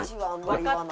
わかった。